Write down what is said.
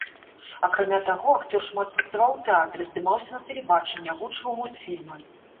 Акрамя таго, акцёр шмат працаваў у тэатры, здымаўся на тэлебачанні, агучваў мультфільмы.